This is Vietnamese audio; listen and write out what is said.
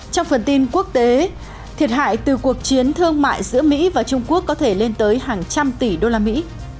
trong phần tin quốc tế thiệt hại từ cuộc chiến thương mại giữa mỹ và trung quốc có thể lên tới hàng trăm tỷ đô la mỹ